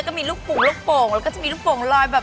ก็มีลูกโป่งลูกโป่งแล้วก็จะมีลูกโป่งลอยแบบ